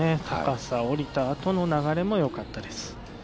高さ、おりた後の流れもよかったです。